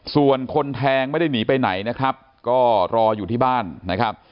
ส่วนคนแทงไม่ได้หนีไปไหนนะครับก็รออยู่ที่บ้านนะครับ